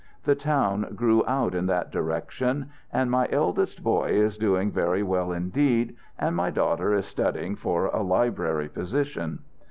The town grew out in that direction. And my eldest boy is doing very well indeed, and my daughter is studying for a library position."